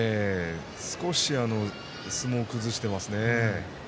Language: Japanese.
少し相撲を崩していますね。